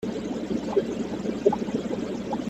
Ḥadret ad tettum asihaṛ-nwen?